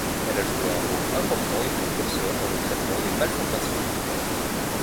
Elle a joué un rôle important et précurseur dans le traitement des malformations cardiaques.